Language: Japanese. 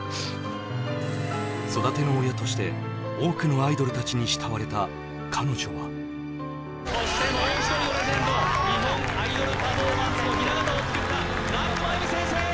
育ての親として多くのアイドルたちに慕われた彼女はそしてもう１人のレジェンド日本アイドルパフォーマンスのひな型を作った夏まゆみ先生！